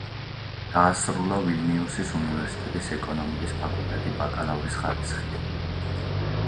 დაასრულა ვილნიუსის უნივერსიტეტის ეკონომიკის ფაკულტეტი ბაკალავრის ხარისხით.